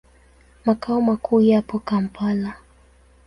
Makao makuu yapo Kampala.